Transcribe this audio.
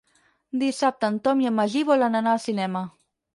Dissabte en Tom i en Magí volen anar al cinema.